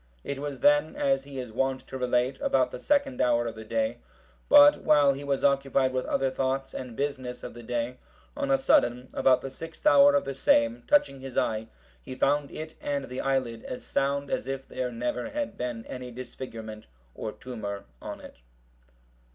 It was then, as he is wont to relate, about the second hour of the day; but while he was occupied with other thoughts and business of the day, on a sudden, about the sixth hour of the same, touching his eye, he found it and the eyelid as sound as if there never had been any disfigurement or tumour on it.